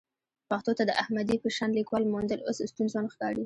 پښتو ته د احمدي په شان لیکوال موندل اوس ستونزمن ښکاري.